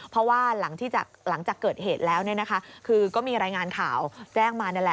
เพราะว่าหลังจากเกิดเหตุแล้วคือก็มีรายงานข่าวแจ้งมานั่นแหละ